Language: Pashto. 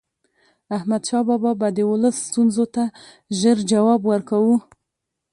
احمد شاه بابا به د ولس ستونزو ته ژر جواب ورکاوه.